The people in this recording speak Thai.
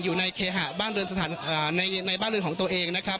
อยู่ในเคหะบ้านเรือนสถานในบ้านเรือนของตัวเองนะครับ